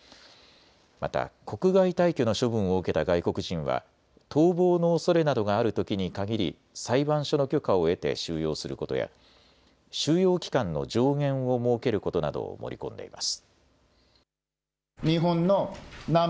また国外退去の処分を受けた外国人は逃亡のおそれなどがあるときに限り裁判所の許可を得て収容することや収容期間の上限を設けることなどを盛り込んでいます。